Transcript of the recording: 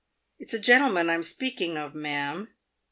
It's a gentleman I'm speaking of, ma'am."